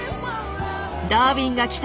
「ダーウィンが来た！」